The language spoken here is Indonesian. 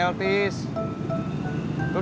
ayolah nanti ech balim